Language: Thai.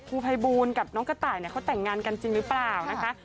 ครูภัยบูลกับน้องกระต่ายเขาแต่งงานกันจริงหรือเปล่านะคะ